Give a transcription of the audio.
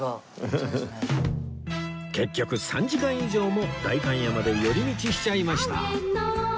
結局３時間以上も代官山で寄り道しちゃいました